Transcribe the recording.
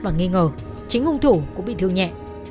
và nghi ngờ chính hung thủ cũng bị thương nhẹ